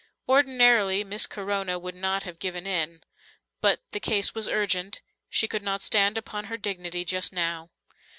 Ordinarily Miss Corona would not have given in. But the case was urgent; she could not stand upon her dignity just now.